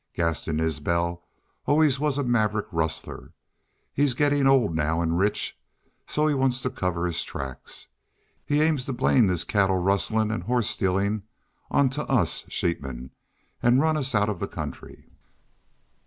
Gaston Isbel always was a maverick rustler. He's gettin' old now an' rich, so he wants to cover his tracks. He aims to blame this cattle rustlin' an' horse stealin' on to us sheepmen, an' run us out of the country."